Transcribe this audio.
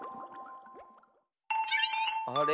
あれ？